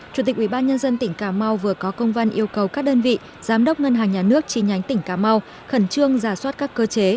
chủ tịch ubnd tỉnh cà mau vừa có công văn yêu cầu các đơn vị giám đốc ngân hàng nhà nước chi nhánh tỉnh cà mau khẩn trương giả soát các cơ chế